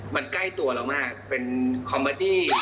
มันใกล้ตัวเรามากเป็นคอมเมอดี้